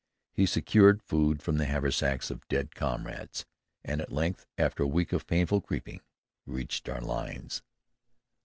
He secured food from the haversacks of dead comrades, and at length, after a week of painful creeping, reached our lines.